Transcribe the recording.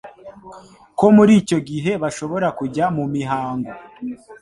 ko muri icyo gihe bashobora kujya mu mihango